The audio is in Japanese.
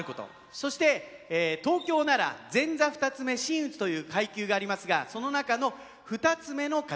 そして東京なら前座二ツ目真打ちという階級がありますがその中の二ツ目の方。